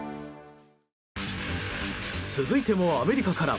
続いてもアメリカから。